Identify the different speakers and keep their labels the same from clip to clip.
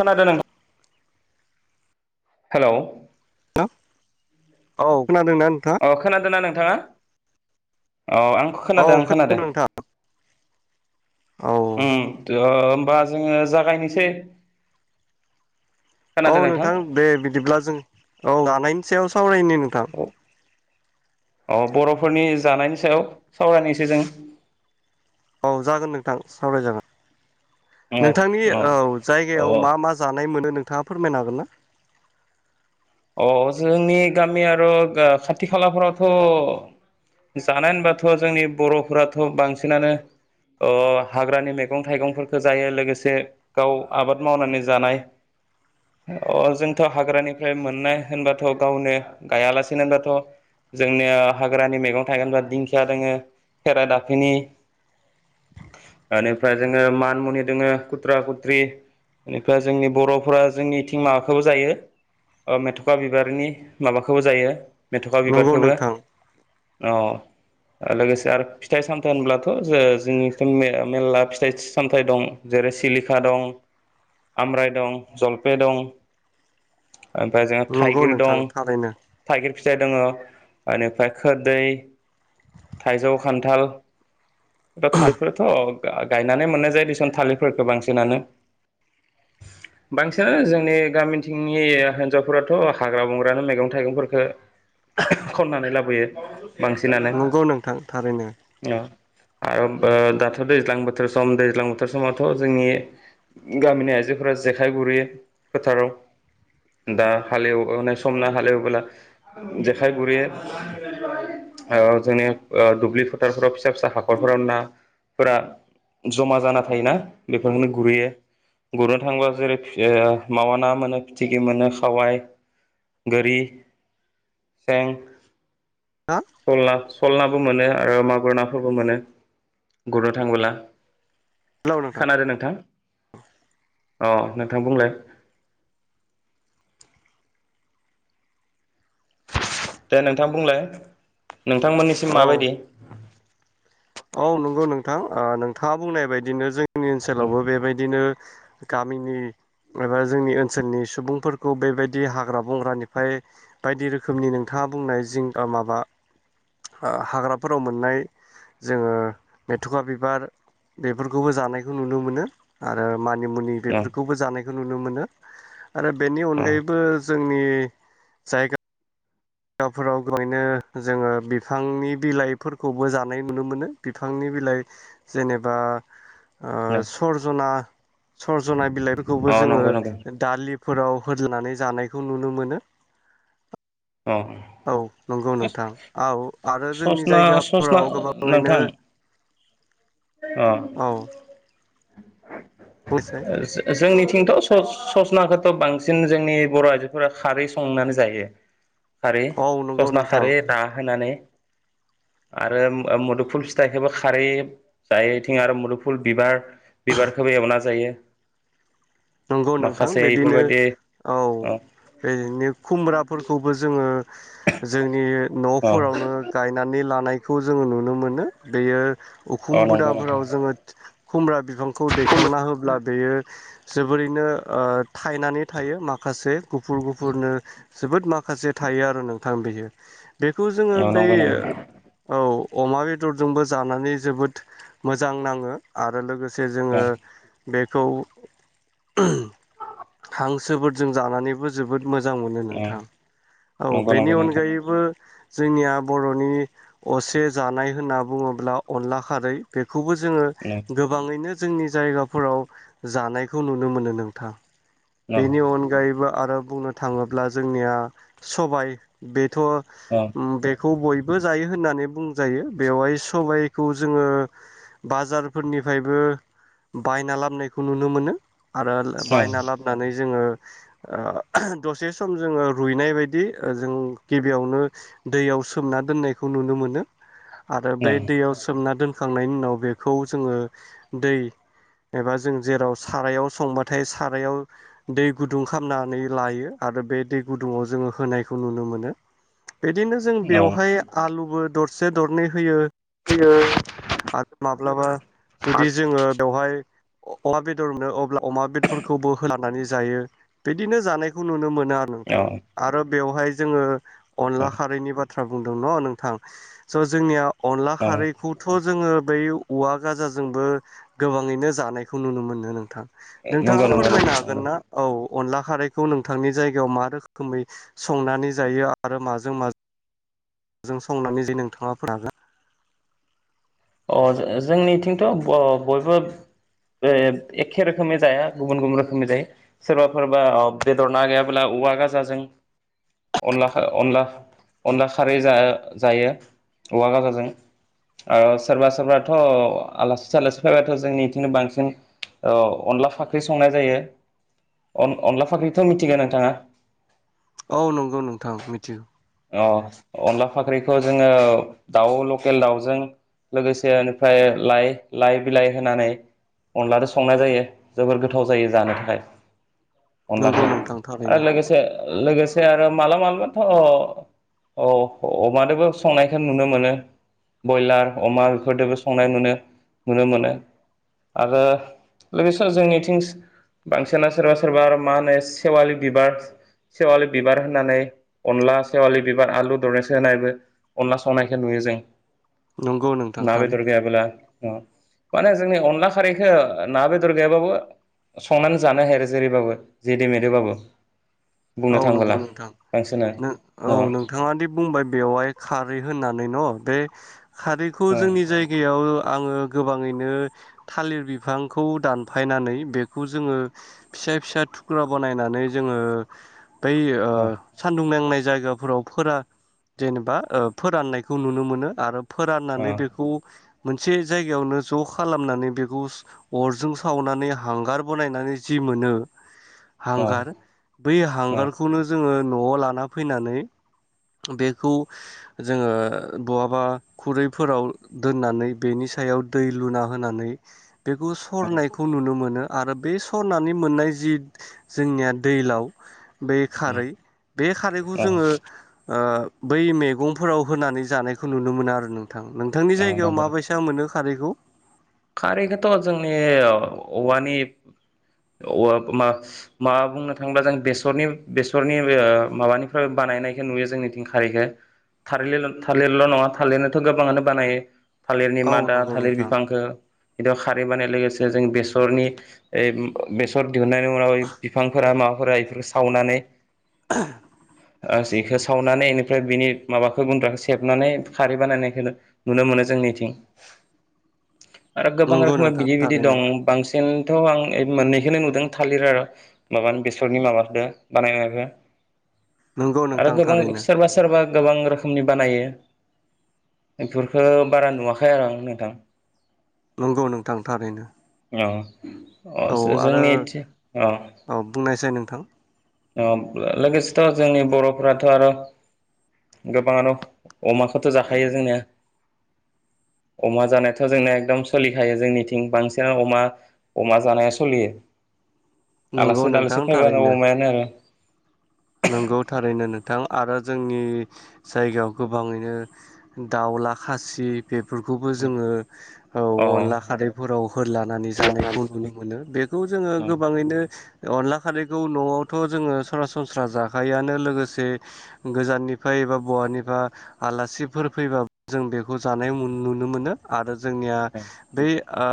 Speaker 1: खोनादो [unintelligible] हेलौ
Speaker 2: [unintelligible] औ खोनादोंना नोंथाङा?
Speaker 1: थाङा औ आं
Speaker 2: औ
Speaker 1: खोनादो आं
Speaker 2: खोनादों
Speaker 1: खोनादो।
Speaker 2: नोंथां औ
Speaker 1: उम [unintelligible] ओमबा जोङो जागायनिसै।
Speaker 2: औ नोंथां दे बिदिब्ला जों औ [unintelligible] सायाव [unintelligible] नोंथां
Speaker 1: औ अ बर'फोरनि जानायनि सायाव सावरायनायसै जों।
Speaker 2: औ जागोन नोंथां सावराय जागोन।
Speaker 1: अ
Speaker 2: नोंथांनि
Speaker 1: अ
Speaker 2: औ
Speaker 1: अ
Speaker 2: जायगायाव मा मा जानाय मोनो नों? थाङा फोरमायनो हागोन ना?
Speaker 1: अ जोंनि गामि आरो ओ खाथि खालाफोरावथ' जानाय ओनबाथ' जोंनि बर'फोराथ' बांसिनानो ओ हाग्रानि मैगं थाइगंफोरखौ जायो लोगोसे गाव आबाद मावनानै जानाय अ जोंथ' हाग्रानिफ्राय मोन नाय होनबाथ' गावनो गायालासेनो बाथ' जोंनिया हाग्रानि मैगं थाइगोनबा दिंखिया दोङो खेरा दाफिनि ओनिफ्राय जोङो मान मुनि दङो कुत्रा कुत्रि इनिफाय जोंनि बर'फोरा जोंनिथिं माबाखौ जायो ओ मेथ'खा बिबारनि माबाखौबो जायो मेथ'ख खा
Speaker 2: नंगौ
Speaker 1: बिबारखोबो
Speaker 2: नोंथां
Speaker 1: औ लोगोसे आरो फिथाइ सामथाइ होनब्लाथ' जो जोंनिथिं मे मेरला फिथाइ सामथाइ दं जेरै सिलिखा दं आम्राइ दं जलपे दं ओमफ्राय जोंहा
Speaker 2: नंगौ
Speaker 1: थाइगिर
Speaker 2: नोंथां
Speaker 1: दं
Speaker 2: थारैनो
Speaker 1: थाइगिर फिथाइ दङ ओनिफ्राय खोरदै थाइजौ खान्थाल [unintelligible] गायनानै मोननाय जायो दिसन थालिरफोरखौ बांसिनानो बांसिनानो जोंनि गामिथिं [unintelligible] हिनजावफोराथ' हाग्रा बंग्रानो मैगं थाइगंफोरखौ खननानै लाबोयो बांसिनानो
Speaker 2: नंगौ नोंथां थारैनो
Speaker 1: औ आरो ओ दा दाथ' दैज्लां बोथोर सम दैज्लां बोथोर समावथ' जोंनि गामिनि आइजोफोरा जेखाइ गुरैयो फोथाराव दा हाल एवनाय समना हालेवबोला जेखाइ गुरहैयो ओ जोंनि ओ दुब्लि फोथारफोराव फिसा-फिसा हाखरफोराव नाफोरा जमा जाना थायोना बेफोरखौनो गुरहैयो गुरनो थाङोबा जेरै फि ओ मावा ना मोनो [unintelligible] मोनो खावाइ गोरि सें
Speaker 2: हा
Speaker 1: सल्ला सल्लाबो मोनो। आरो मागुर नाफोरबो मोनो, गुरनो थांबोला। खोनादों नोंथां? अ नोंथां बुंलाय। दे नोंथां बुंलाय। नोंथांमोननिसिम
Speaker 2: औ
Speaker 1: माबायदि?
Speaker 2: औ नंगौ नोंथां ओ नोंथाङा बुंनाय बायदिनो जों जोंनि ओनसोलावबो बेबायदिनो गामिनि एबा जोंनि ओनसोलनि सुबुंफोरखौ बेबायदि हाग्रा बंग्रानिफ्राय बायदि रोखोमनि नोंथाङा बुंनाय जिं माबा, ओ हाग्राफोराव मोननाय जोङो मेथखा बिबार बेफोरखौबो जानायखौ नुनो मोनो आरो। मानिमुनि
Speaker 1: औ
Speaker 2: बेफोरखौबो जानायखौ नुनो मोनो। आरो बेनि
Speaker 1: औ
Speaker 2: अनगायैबो। जोंनि जायगा जायगाफोराव गोबाङैनो जोङो बिफांनि बिलाइफोरखौबो जानाय नुनो मोनो, बिफांनि बिलाइ जेनेबा सरजना सजना बिलाइ। फोरखौबो
Speaker 1: अ
Speaker 2: जोङो
Speaker 1: नंगौ नंगौ
Speaker 2: दालि। फोराव होदनानै जानायखौ नुनो मोनो।
Speaker 1: अ
Speaker 2: औ नंगौ नोंथां औ आरो जोंनि
Speaker 1: ससना ससना
Speaker 2: जायगाफोराव गोबाङैनो
Speaker 1: नोंथां
Speaker 2: औ। बुंसै
Speaker 1: जोंनि खिन्थु सस ससनाखौथ' बांसिन जोंनि बर' आइजोफोरा खारै संनानै जायो। खारै
Speaker 2: औ नंगौ
Speaker 1: ससना
Speaker 2: नोंथां
Speaker 1: खारै रा होनानै [inaudible] बिब
Speaker 2: नंगौ नोंथां बिदिनो औ
Speaker 1: अ
Speaker 2: बेनि खुमब्राफोरखौबो जोङो जोंनि
Speaker 1: अ
Speaker 2: न'फोरावनो गायनानै लानाय। खौ जोङो नुनो मोनो बेयो
Speaker 1: अ
Speaker 2: उखुम
Speaker 1: नंगौ नोंथां
Speaker 2: बुदाफोराव जोङो खुमब्रा बिफां। खौ दैखांना होब्ला बेयो जोबोरैनो ओ थायनानै थायो माखासे गुफुर गुफुरनो जोबोद माखासे थायो आरो नोंथां बियो बेखौ जोङो
Speaker 1: औ
Speaker 2: बै
Speaker 1: नंगौ नंगौ
Speaker 2: औ अमा बेदरजोंबो जानानै जोबोद मोजां नाङो आरो लोगो जे
Speaker 1: औ
Speaker 2: जोङो बेखौ [unintelligible] हांसोफोरजों जानानैबो जोबोद मोजां मोनो
Speaker 1: औ
Speaker 2: नोंथां औ
Speaker 1: नंगौ नंगौ
Speaker 2: बेनि
Speaker 1: नोंथां
Speaker 2: अनगायैबो जोंनिया बर'नि असे जानाय होनना बुङोब्ला अनला खारै बे खौबो जोङो
Speaker 1: औ
Speaker 2: गोबाङैनो जोंनि जायगाफोराव जानाय खौ नुनो मोनो नोंथां।
Speaker 1: औ
Speaker 2: बेनि अनगायैबो आरो बुंनो थाङोब्ला जोंनिया सबाय बे
Speaker 1: औ
Speaker 2: थ' उम बेखौ बय बो जायो होननानै बुंजायो बेवहाय सबाइखौ जोङो बाजारफोरनिफ्रायबो बायना लाबनायखौ नुनो मोनो। आरो
Speaker 1: औ
Speaker 2: बायना लाबोनानै जोङो ओ दसे सम जोङो रुइनाय बायदि ओ जों गिबियावनो दैयाव सोमना दोननायखौ नुनो मोनो। आरो बै दैयाव सोमना दोन होखांनायनि उनाव बेखौ जोङो दै एबा जों जेराव सारायाव संबाथाय सारायाव दै गुदुं खामनानै लायो आरो बे दै गुदुङाव जोङो होनायखौ नुनो मोनो। बिदिनो जों बेवहाय आलुबो दरसे दरनै होयो आरो माब्लाबा जुदि जोङो बेवहाय अमा बेद दर होनदों अब्ला अमा बेदरफोरखौबो होलानानै जायो बिदिनो जानायखौ नुनो मोनो। ना आरो नोंथां आरो बेवहाय जोङो अनला खारैनि बाथ बाथ्रा बुंदों न नोंथां स' जोंनिया अनला खारैखौथ' जोङो बै औवा गाजाजोंबो गोबाङैनो जानायखौ नुनो मोन नो नोंथां
Speaker 1: नंगौ
Speaker 2: नोंथाङा
Speaker 1: नंगौ
Speaker 2: फोरमायनो हागोन
Speaker 1: नंगौ
Speaker 2: ना औ अनला खारैखौ नोंथांनि जायगायाव मा रोखोमै संनानै जायो आरो माजों माजों [inaudible] संनानै जे नोंथाङा [unintelligible]
Speaker 1: अ जों-जोंनिथिंथ' ओ ब-बयबो ए-एखे रोखोमनि जाया गुबुन गुबुन रोखोमनि जायो। सोरबाफोरबा अ बेदर ना गैयाब्ला औवा गाजाजों अनला खा अनला अनला खारै जा जायो औवा गाजाजों आरो सोरबा सोरबाथ' आलासि सालासि फैबाथ' जोंनि बिथिंनो बांसिन ओ अनला फाख्रि संनाय जायो। अन-अनला फाख्रिथ' मिथिगौ नोंथाङा।
Speaker 2: औ नंगौ नोंथां मिथिगौ।
Speaker 1: अ अनला फाख्रिखौ जोङो दाउ लकेल दाउजों लोगोसे इनिफ्राय लाइ लाइ बिलाइ होनानै अनलाजों संनाय जायो जोबोर गोथाव जायो जानो थाखाय।
Speaker 2: नंगौ
Speaker 1: अनलाखौ
Speaker 2: नोंथां थारैनो
Speaker 1: आरो लोगोसे लोगोसे आरो मालाबामालाबाथ' औ अ-अमादोबो संनायखौ नुनो मोनो। बयलार, अमा फोरदोंबो संनाय नुनो नुनो मोनो आरो लोगोसे जोंनिथिं बांसिना सोरबा सोरबा आरो मा होनो सेवालि बिबार सेवालि बिबार होनानै अनला सेवालि बिबार आलु दरनैसो होनायबो अनला संनायखौ नुयो जों।
Speaker 2: नंगौ नोंथां
Speaker 1: ना बेदर
Speaker 2: थारैनो
Speaker 1: गैयाब्ला ओ माने जोंनि अनला खारैखौ ना बेदर गैयाबाबो संनानै जानो हायो आरो जेरैबाबो जेदो मेदोबाबो।
Speaker 2: औ नंगौ नोंथां
Speaker 1: न
Speaker 2: औ
Speaker 1: अ
Speaker 2: नोंथाङादि बुंबाय बेवहाय खारै होननानै न'? बे खारैखौ
Speaker 1: अ
Speaker 2: जोंनि जायगायाव आङो गोबाङैनो थालिर बिफांखौ दानफायनानै बेखौ जोङो फिसा फिसा थुख्रा बानायनानै जोङो बै ओ
Speaker 1: अ
Speaker 2: सान्दुं नांनाय जायगाफोराव फोरा जेनेबा ओ फोराननायखौ नुनो मोनो आरो
Speaker 1: अ
Speaker 2: फोराननानै बेखौ मोनसे जायगायावनो ज' खालामनानै बेखौ अरजों सावनानै हांगार बानायनायनानै जि मोनो हांगार बै
Speaker 1: अ
Speaker 2: हांगारखौनो जों जोङो न'आव लाना फैनानै बेखौ जोङो बहाबा खुरैफोराव दोननानै बेनि सायाव दै लुना होनानै बेखौ सरनायखौ नुनो मोनो। आरो बे सरनानै मोननाय जि जोंनिया दैलाव बे खारै।
Speaker 1: अ
Speaker 2: बे खारैखौ जोङो ओ बै मैगंफोराव होनानै जानायखौ नुनो मोनो आरो नों थां। नोंथांनि
Speaker 1: अ
Speaker 2: जायगायाव
Speaker 1: नंगौ
Speaker 2: माबायसा मोनो खारैखौ?
Speaker 1: खारैखौथ' जोंनि औवानि औवा मा मा बुंनो थाङोब्ला जों बेसरनि बेसरनि ओ माबानिफ्राय बानायनायखौ नुयो जोंनिथिं खारैखो था‌लिर थालिरनिल' नङा थालिरनिथ' गोबाङानो बानायो। थालिरनि
Speaker 2: औ
Speaker 1: मादा
Speaker 2: नंगौ
Speaker 1: थालिर
Speaker 2: नोंथां
Speaker 1: बिफांखो बिदियाव खारैबानाय लोगोसे जों बेसरनि ओइ बेसर दिहुननायनि उनाव ओइ बिफांफोरा मा फोरा इफोरखौ सावनानै ओ जेखो सावनानै ओमफ्राय बिनि माबाखौ गुन्द्राखौ सेबनानै खारै बानायनायखौ नुनो मोनो जोंनिथिं। आरो गोबां
Speaker 2: नंगौ
Speaker 1: रोखोमा
Speaker 2: नोंथां
Speaker 1: बिदि बिदि
Speaker 2: थारैनो
Speaker 1: दं बांसिन एनोथ' आं मोननैखोनो नुदों थालिर आरो माबानि बेसरनि माबाखो बानायनायखो।
Speaker 2: नंगौ
Speaker 1: आरो
Speaker 2: नोंथां
Speaker 1: गोबां
Speaker 2: थारैनो
Speaker 1: सोरबा सोरबा गोबां रोखोमनि बानायो एफोरखो बारा नुवाखै आरो आं नोंथां।
Speaker 2: नंगौ नोंथां थारैनो।
Speaker 1: औ
Speaker 2: औ
Speaker 1: अ
Speaker 2: आरो
Speaker 1: जोंनि
Speaker 2: औ बुंनायसाय नोंथां?
Speaker 1: औ लोगोसेथ' जोंनि बर'फ्राथ' आरो गोबाङानो अमाखोथ' जाखायो जोंनिया अमा जानायाथ' जोंनिया एकदम सोलिखायो जोंनिथिं बांसिनानो अमा अमा जानाया सोलियो।
Speaker 2: नंगौ
Speaker 1: आलासि
Speaker 2: नोंथां
Speaker 1: दालासि फैबानो
Speaker 2: थारैनो
Speaker 1: अमायानो आरो।
Speaker 2: नंगौ थारैनो नोंथां। आरो जोंनि जायगायाव गोबाङैनो दावला खासि बेफोरखौबो जोङो ओ
Speaker 1: अ
Speaker 2: अनला खारैफोराव होलानानै जानायखौ नुनो मोनो बेखौ जोङो गोबाङैनो अनला खारैखौ न'आवथ' जोङो सरा सनस्रा जाखायोआनो लोगोसे गोजाननिफ्राय एबा बहानिबा आलासिफोर फैबा जों बेखौ जानाय नुनो मोनो आरो जोंनिया बै ओ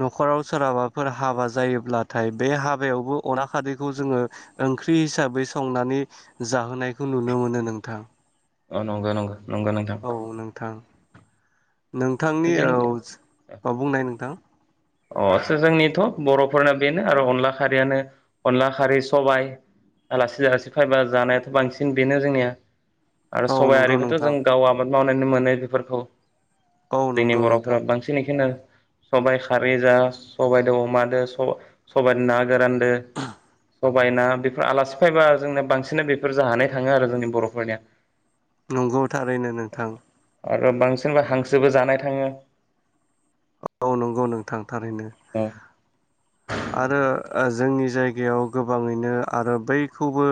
Speaker 2: न'खराव सोरहाबाफोर हाबा जायोब्लाथाय बे हाबायावबो अनला खारैखौ जोङो ओं ख्रि हिसाबै संनानै जाहोनायखौ नुनो मोनो नोंथां।
Speaker 1: औ नंगो नंगो।
Speaker 2: औ नोंथां। नोंथांनि
Speaker 1: जों
Speaker 2: औ बुंनाय नोंथां
Speaker 1: अ जोंनिथ' बर'फोरना बेनो आरो अनला खारैयानो अनला खारै सबाय आलासि आलासि फैबा जानायाथ' बांसिन बेनो जोंनिया। आरो
Speaker 2: औ नंगौ
Speaker 1: सबायारिखोथ'
Speaker 2: नोंथां
Speaker 1: जों गाव आबाद मावनानै मोनो बेफोरखौ।
Speaker 2: औ
Speaker 1: जोंनि
Speaker 2: नंगौ नोंथां
Speaker 1: बरफोरा बांसिन एखायनो सबाय खारै जा सबायजों अमादो सबायदो ना गोरानदो सबाइ ना बेफोर आलासि फायबा जोंनो बांसिन बेफोर जा होनाय थाङो आरो जोंनि बरफोरनिया।
Speaker 2: नंगौ थारैनो नोंथां।
Speaker 1: आरो बांसिनबो हांसोबो जानाय थाङो।
Speaker 2: औ नंगौ नोंथां। थारैनो। आरो जोंनि जायगायाव गोबाङैनो आरो बैखौबो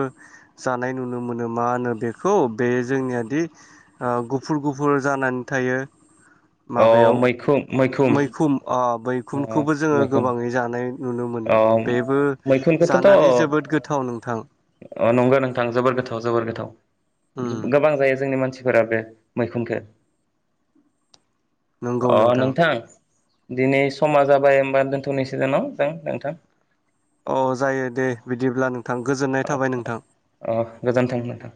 Speaker 2: जानाय नुनो मोनो मा होनो बेखौ बे जोंनियादि ओ गुफुर गुफुर जानानै थायो
Speaker 1: अ
Speaker 2: माबायाव
Speaker 1: मैखुम मैखुम।
Speaker 2: मैखुन ओ मैखुनखौबो जोङो गोबाङै जानाय नुनो
Speaker 1: अ
Speaker 2: मोनो बेबो
Speaker 1: मैखुनखौथ'थ'
Speaker 2: जानानै जोबोद गोथाव नोंथां।
Speaker 1: अ नंगौ नोंथां जोबोर गोथाव जोबोर गोथाव।
Speaker 2: उम
Speaker 1: गोबां जायो जोंनि मानसि [unintelligible] मैखुनखो। अ नोंथां। दिनै समा जाबाय होमबा दोनथनि [unintelligible] [unintelligible] नोंथां।
Speaker 2: अ जायो दे बिदिब्ला [unintelligible] थाबाय नोंथां
Speaker 1: अ गोजोन्थों नोंथां।